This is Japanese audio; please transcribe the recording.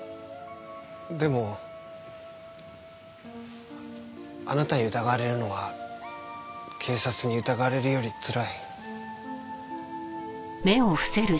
でもあなたに疑われるのは警察に疑われるよりつらい。